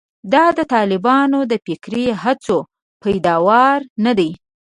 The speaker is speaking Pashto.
دا د طالبانو د فکري هڅو پیداوار نه دي.